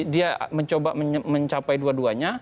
dia mencoba mencapai dua duanya